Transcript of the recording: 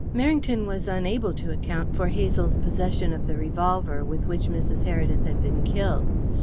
Merrington was unable to account for Hazel's possession of the revolver with which Mrs. Heredith had been killed.